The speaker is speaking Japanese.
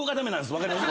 分かります？